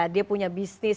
dia punya bisnis